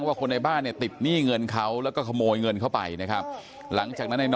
ผู้ชมครับท่านผู้ชมครับท่านผู้ชมครับท่านผู้ชมครับท่าน